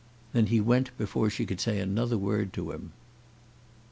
Then he went before she could say another word to him.